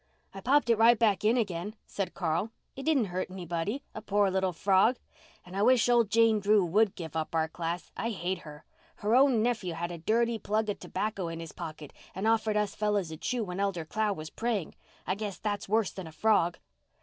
"I popped it right back in again," said Carl. "It didn't hurt anybody—a poor little frog! And I wish old Jane Drew would give up our class. I hate her. Her own nephew had a dirty plug of tobacco in his pocket and offered us fellows a chew when Elder Clow was praying. I guess that's worse than a frog."